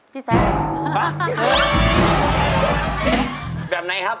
พี่แซมฮะโอฮิ่ง